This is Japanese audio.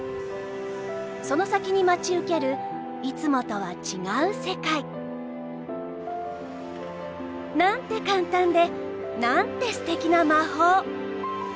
その先に待ち受けるいつもとは違う世界。なんて簡単でなんてステキな魔法！